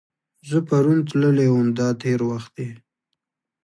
زه پرون تللی وم – دا تېر وخت دی.